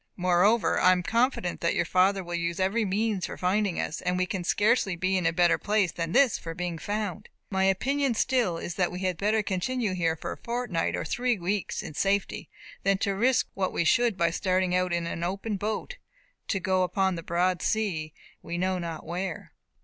Moreover, I am confident that your father will use every means for finding us; and we can scarcely be in a better place than this for being found. My opinion still is that we had better continue here for a fortnight or three weeks in safety, than to risk what we should, by starting in an open boat, to go upon the broad sea, we know not where."